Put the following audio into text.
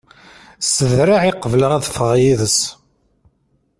S draɛ i qebleɣ ad ffɣeɣ d yid-s.